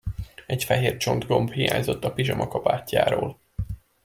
Egy fehér csontgomb hiányzott a pizsamakabátjáról.